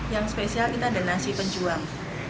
yang spesial kita ada nasi pejuang